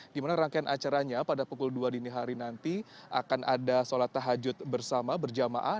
di mana rangkaian acaranya pada pukul dua dini hari nanti akan ada sholat tahajud bersama berjamaah